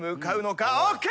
ＯＫ！